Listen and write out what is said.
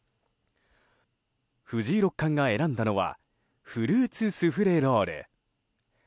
藤井六冠が選んだのはフルーツスフレロール。